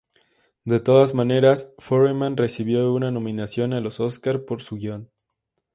De todas maneras, Foreman recibió una nominación a los Óscar por su guion.